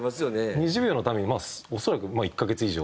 ２０秒のためにまあ恐らく１カ月以上。